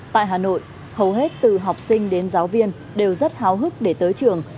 tại hà nội hầu hết từ học sinh đến giáo viên đều rất háo hức để tới trường